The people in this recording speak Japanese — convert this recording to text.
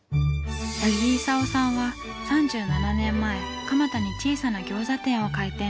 八木功さんは３７年前蒲田に小さな餃子店を開店。